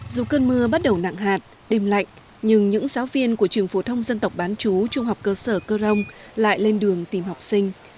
dù cơn mưa bắt đầu nặng hạt đêm lạnh nhưng những giáo viên của trường phổ thông dân tộc bán chú trung học cơ sở cơ rông lại lên đường tìm học sinh